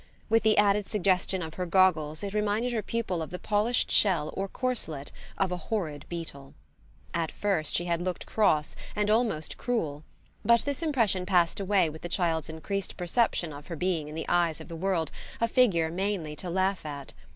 With the added suggestion of her goggles it reminded her pupil of the polished shell or corslet of a horrid beetle. At first she had looked cross and almost cruel; but this impression passed away with the child's increased perception of her being in the eyes of the world a figure mainly to laugh at.